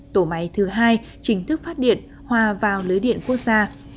tổ máy thứ hai chính thức phát điện hòa vào lưới điện quốc gia